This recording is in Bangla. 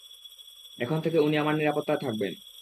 এখন থেকে উনি আমার নিরাপত্তায় থাকবেন।